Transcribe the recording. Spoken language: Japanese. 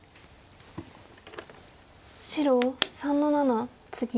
白３の七ツギ。